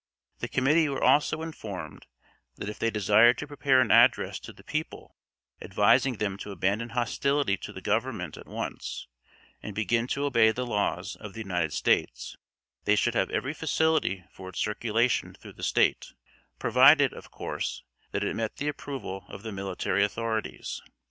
The committee were also informed that if they desired to prepare an address to the people, advising them to abandon hostility to the Government at once, and begin to obey the laws of the United States, they should have every facility for its circulation through the State, provided, of course, that it met the approval of the military authorities.